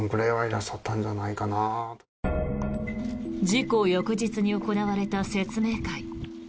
事故翌日に行われた説明会。